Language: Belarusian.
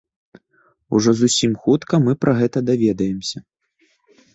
Ужо зусім хутка мы пра гэта даведаемся.